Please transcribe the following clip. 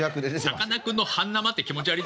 さかなクンの半生って気持ち悪いだろお前。